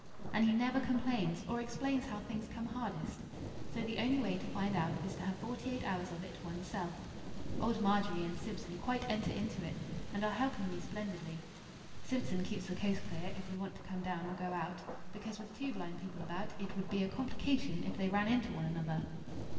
And he never complains, or explains how things come hardest. So the only way to find out is to have forty eight hours of it one's self. Old Margery and Simpson quite enter into it, and are helping me splendidly. Simpson keeps the coast clear if we want to come down or go out; because with two blind people about, it would be a complication if they ran into one another.